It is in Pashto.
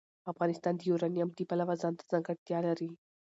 افغانستان د یورانیم د پلوه ځانته ځانګړتیا لري.